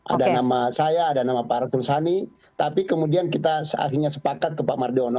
ada nama saya ada nama pak arsul sani tapi kemudian kita akhirnya sepakat ke pak mardiono